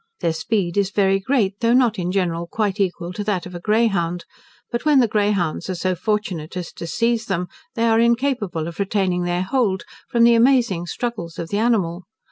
Their speed is very great, though not in general quite equal to that of a greyhound; but when the greyhounds are so fortunate as to seize them, they are incapable of retaining their hold, from the amazing struggles of the animal.